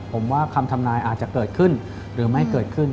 ผมว่าคำทำนายอาจจะเกิดขึ้นหรือไม่เกิดขึ้น